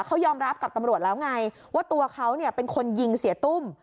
เขายอมรับกับตำรวจแล้วไงว่าตัวเขาเป็นคนยิงเสียตุ้ม